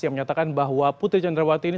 yang menyatakan bahwa putri candrawati ini